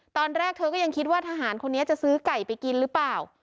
ตอนแรกเธอก็ยังคิดว่าทหารคนนี้จะซื้อไก่ไปกินหรือเปล่า